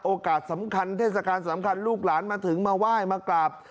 สำคัญเทศกาลสำคัญลูกหลานมาถึงมาไหว้มากราบ